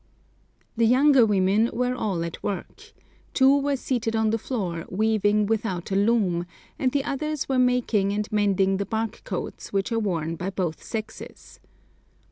The younger women were all at work; two were seated on the floor weaving without a loom, and the others were making and mending the bark coats which are worn by both sexes.